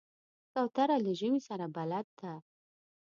کوتره له ژمي سره بلد ده.